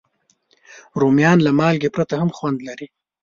رومیان له مالګې پرته هم خوند لري